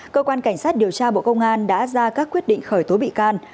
cơ quan cảnh sát điều tra bộ công an đã ra các quyết định khởi tố bị can